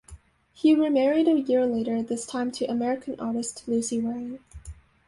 He remarried a year later, this time to American artist Lucy Waring.